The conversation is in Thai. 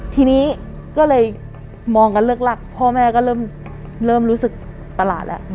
ทีนี้ก็เลยมองกันเลิกลักพ่อแม่ก็เริ่มรู้สึกประหลาดแล้ว